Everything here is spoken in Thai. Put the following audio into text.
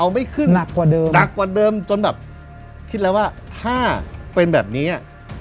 ไม่ขึ้นหนักกว่าเดิมหนักกว่าเดิมจนแบบคิดแล้วว่าถ้าเป็นแบบนี้อ่ะ